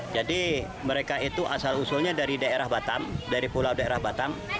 jadi mereka itu asal usulnya dari daerah batam dari pulau daerah batam